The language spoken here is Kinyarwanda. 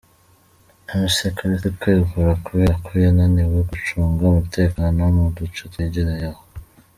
McCarthy kwegura kubera ko yananiwe gucunga umutekano mu duce twegereye aho abirabura batuye.